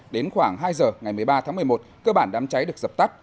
đến khoảng hai giờ ngày một mươi ba tháng một mươi một cơ bản đám cháy được dập tắt